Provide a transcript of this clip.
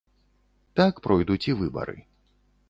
Так пройдуць і выбары.